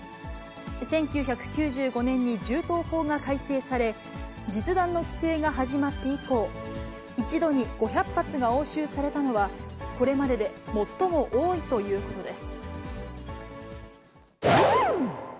１９９５年に銃刀法が改正され、実弾の規制が始まって以降、一度に５００発が押収されたのは、これまでで最も多いということです。